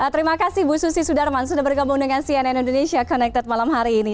terima kasih bu susi sudarman sudah bergabung dengan cnn indonesia connected malam hari ini